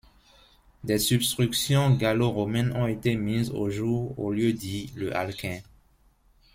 Des substructions gallo-romaines ont été mises au jour au lieu-dit le Halquin.